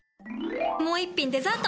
もう一品デザート！